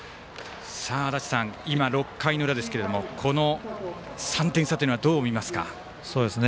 足達さん、今、６回の裏ですが３点差というのはどう見ますか。